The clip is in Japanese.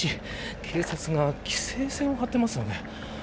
警察が規制線を張っていますよね。